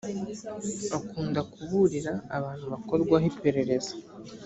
akunda kuburira abantu bakorwaho iperereza